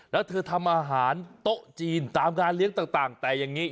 แล้วเธอทำอาหารโต๊ะจีนตามงานเลี้ยงต่างแต่อย่างนี้